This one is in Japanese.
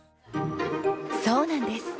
そうなんです。